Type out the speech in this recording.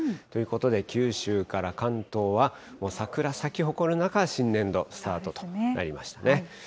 ということで、九州から関東は、もう桜、咲き誇る中、新年度スタートとなりましたね。